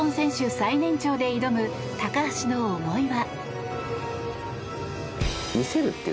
最年長で挑む高橋の思いは。